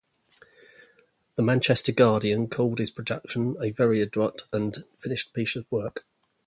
"The Manchester Guardian" called his production "a very adroit and finished piece of work.